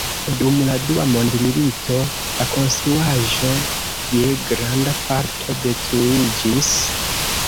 Dum la Dua Mondmilito la konstruaĵo je granda parto detruiĝis.